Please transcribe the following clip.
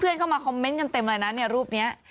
เพื่อนเข้ามาคอมเม้นต์กันเต็มเลยนะรูปนี้